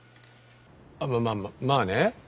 あっまあまあまあね。